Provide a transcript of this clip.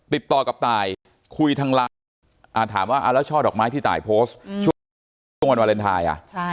ติดต่อกับตายคุยทางไลน์ถามว่าแล้วช่อดอกไม้ที่ตายโพสต์ช่วงวันวาเลนไทย